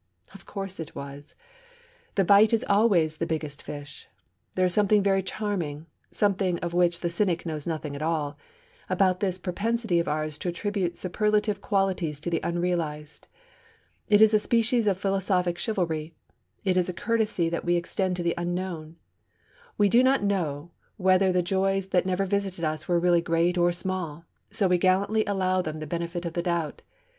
Of course it was! The bite is always the biggest fish. There is something very charming something of which the cynic knows nothing at all about this propensity of ours to attribute superlative qualities to the unrealized. It is a species of philosophic chivalry. It is a courtesy that we extend to the unknown. We do not know whether the joys that never visited us were really great or small, so we gallantly allow them the benefit of the doubt.